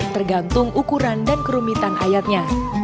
tergantung ukuran dan kerumitan ayatnya